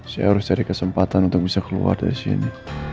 saya harus cari kesempatan untuk bisa keluar dari sini